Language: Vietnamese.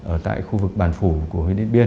ở tại khu vực bàn phủ của huỳnh liên biên